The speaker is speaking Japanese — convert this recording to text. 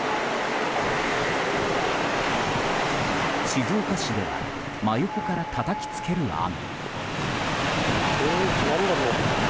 静岡市では真横からたたきつける雨。